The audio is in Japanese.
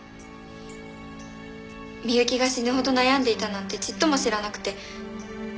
美雪が死ぬほど悩んでいたなんてちっとも知らなくて。